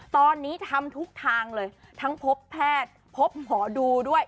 ตอนนี้ทำทุกทางเลยทั้งพบแพทย์พบหมอดูด้วย